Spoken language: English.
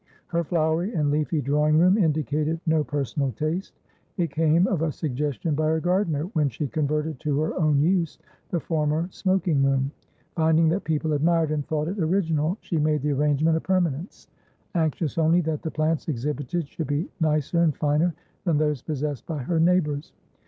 Her flowery and leafy drawing room indicated no personal taste; it came of a suggestion by her gardener when she converted to her own use the former smoking room; finding that people admired and thought it original, she made the arrangement a permanence, anxious only that the plants exhibited should be nicer and finer than those possessed by her neighbours.